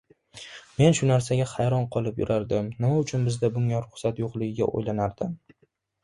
Men shu narsaga hayron qolib yurardim, nima uchun bizda bunga ruxsat yoʻqligiga oʻylanardim.